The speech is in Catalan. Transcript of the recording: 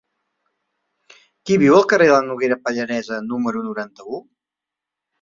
Qui viu al carrer de la Noguera Pallaresa número noranta-u?